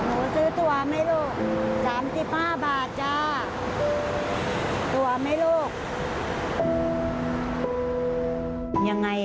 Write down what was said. โถซื้อตัวหรือไม่รู้